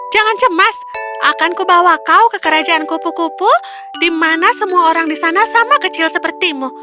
jangan cemas akan kubawa kau ke kerajaan kupu kupu di mana semua orang di sana sama kecil sepertimu